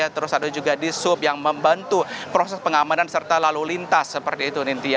terus ada juga di sub yang membantu proses pengamanan serta lalu lintas seperti itu nintia